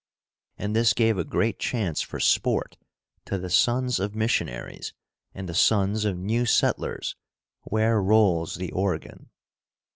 And this gave a great chance for sport to the sons of missionaries and the sons of new settlers "where rolls the Oregon."